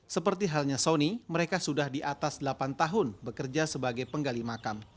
seperti halnya sony mereka sudah di atas delapan tahun bekerja sebagai penggali makam